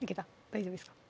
大丈夫ですか？